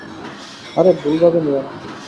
আরে, ভুলভাবে নিও না।